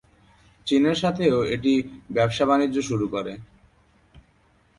চীনের সাথেও এটি ব্যবসা-বাণিজ্য শুরু করে।